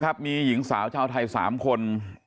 ขอบคุณครับมีหญิงสาวชาวไทย๓คน